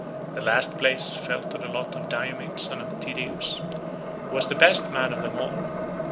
The last place fell to the lot of Diomed son of Tydeus, who was the best man of them all.